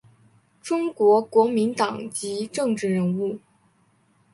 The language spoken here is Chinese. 中国国民党籍政治人物。